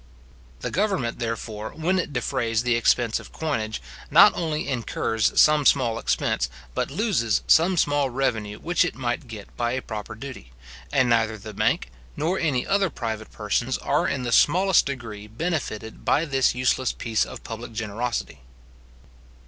The government, therefore, when it defrays the expense of coinage, not only incurs some small expense, but loses some small revenue which it might get by a proper duty; and neither the bank, nor any other private persons, are in the smallest degree benefited by this useless piece of public generosity.